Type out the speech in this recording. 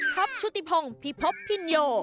ชุติพงศ์พิพบพินโย